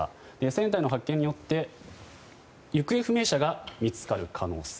船体の発見によって行方不明者が見つかる可能性。